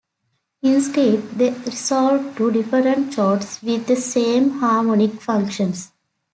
Instead, they resolve to different chords with the same harmonic functions.